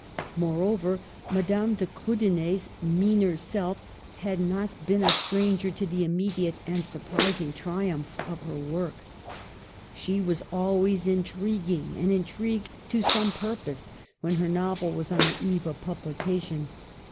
Moreover, Madame de Kriidener's meaner self had not been a stranger to the immediate and surprising triumph of her work. She was always intriguing, and intrigued to some purpose when her novel was on the eve of publication.